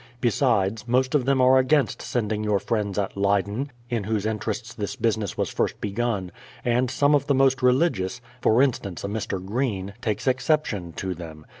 Besides, most of them are against send ing your friends at Leyden, in whose interests this business was first begun; and some of the most religious (for instance a Mr. Greene) takes exception to them.